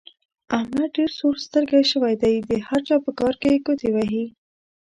احمد ډېر سور سترګی شوی دی؛ د هر چا په کار کې ګوتې وهي.